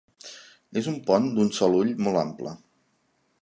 És un pont d'un sol ull molt ample.